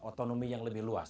otonomi yang lebih luas